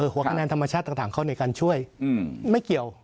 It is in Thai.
หัวคะแนนธรรมชาติต่างเข้าในการช่วยไม่เกี่ยว